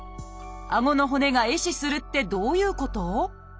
顎の骨が壊死するってどういうこと？